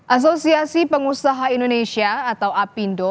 asosiasi pengusaha indonesia atau apindo